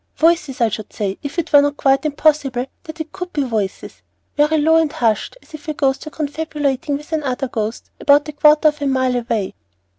"Voices, I should say, if it were not quite impossible that it could be voices, very low and hushed, as if a ghost were confabulating with another ghost about a quarter of a mile away."